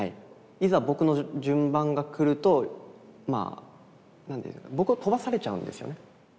いざ僕の順番が来るとまあ僕を飛ばされちゃうんですよね。